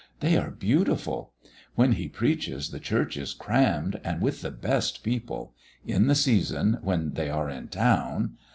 They are beautiful. When he preaches the church is crammed, and with the best people in the season, when they are in town.